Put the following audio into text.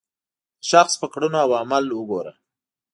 د شخص په کړنو او عمل وګوره.